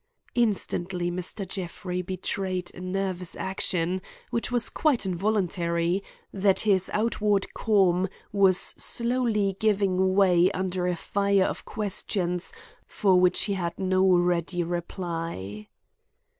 Instantly Mr. Jeffrey betrayed by a nervous action, which was quite involuntary, that his outward calm was slowly giving way under a fire of questions for which he had no ready reply.